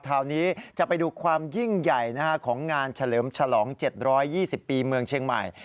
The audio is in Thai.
คราวนี้จะไปดูความยิ่งใหญ่ของงานเฉลิมฉลอง๗๒๐ปีเมืองเชียงใหม่